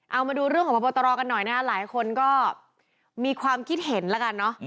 เอามาดูเรื่องของพบตรกันหน่อยนะฮะหลายคนก็มีความคิดเห็นแล้วกันเนอะ